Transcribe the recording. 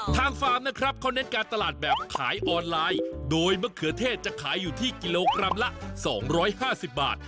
ฟาร์มนะครับเขาเน้นการตลาดแบบขายออนไลน์โดยมะเขือเทศจะขายอยู่ที่กิโลกรัมละ๒๕๐บาท